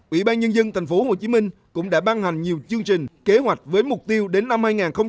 ủy ban nhân dân tp hcm cũng đã ban hành nhiều chương trình kế hoạch với mục tiêu đến năm hai nghìn hai mươi